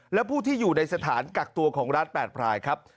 และผู้ที่อยู่ในสถานกักตัวของรัฐ๘รายครับ